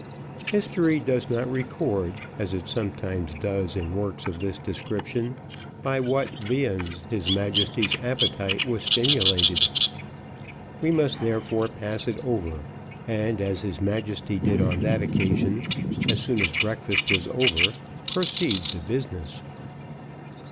History does not record, as it sometimes does in works of this description, by what viands his Majesty's appetite was stimulated; we must therefore pass it over, and as his Majesty did on that occasion, as soon as breakfast was over, proceed to business.